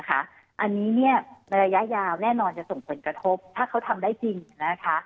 อันนี้ในระยะยาวแน่นอนจะส่งผลกระทบถ้าเขาทำได้จริงนะคะ